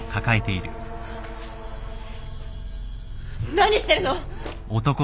何してるの！